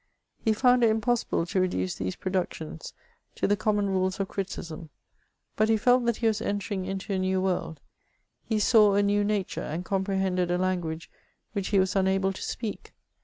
He found it impossible to reduce these productions to the common rules of criticism, but he felt that he was entering into a new world ; he saw a new natnie^ and comprehended a language which he was unable to speak.